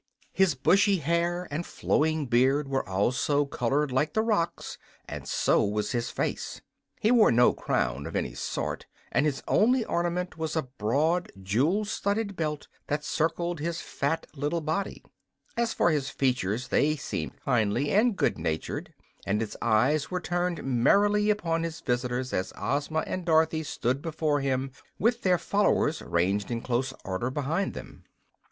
His bushy hair and flowing beard were also colored like the rocks, and so was his face. He wore no crown of any sort, and his only ornament was a broad, jewel studded belt that encircled his fat little body. As for his features, they seemed kindly and good humored, and his eyes were turned merrily upon his visitors as Ozma and Dorothy stood before him with their followers ranged in close order behind them.